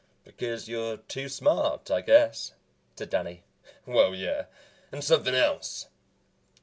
"Because you're too smart, I guess," said Danny. "Well, yeah, and somethin' else.